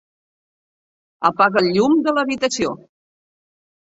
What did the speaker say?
Apaga el llum de l'habitació.